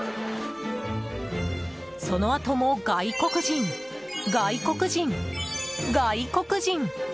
そのあとも外国人、外国人、外国人。